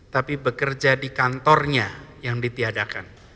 tapi bekerja di kantornya yang ditiadakan